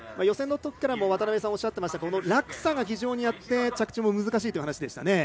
予選のときからも渡辺さんがおっしゃっていました落差が非常にあって着地も難しいという話でした。